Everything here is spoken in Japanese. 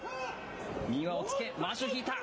身は押っつけ、まわしを引いた。